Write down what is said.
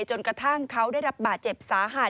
จนกระทั่งเขาได้รับบาดเจ็บสาหัส